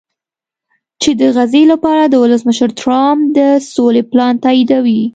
چې د غزې لپاره د ولسمشر ډونالډټرمپ د سولې پلان تاییدوي